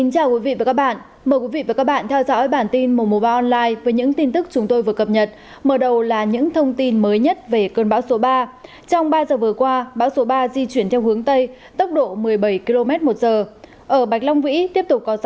cảm ơn các bạn đã theo dõi